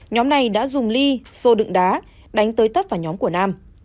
nhóm này đã dùng ly xô đựng đá đánh tới tấp vào nhóm của nam